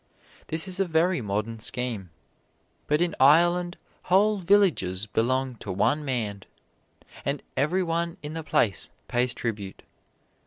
This is a very modern scheme. But in Ireland whole villages belong to one man, and every one in the place pays tribute.